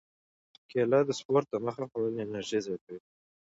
کېله د سپورت دمخه خوړل انرژي زیاتوي.